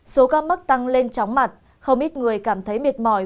số ca mắc tăng lên tróng mặt không ít người cảm thấy miệt mỏi